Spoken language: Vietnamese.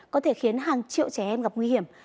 có thể khiến hàng triệu trẻ em gặp nguy hiểm